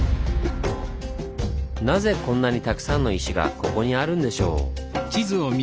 なぜこんなにたくさんの石がここにあるんでしょう？